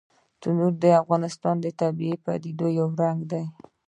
تنوع د افغانستان د طبیعي پدیدو یو رنګ دی.